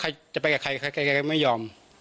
จะไปกับใครใครก็ไม่ยอม